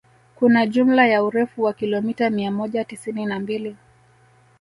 Kuna jumla ya urefu wa kilomita mia moja tisini na mbili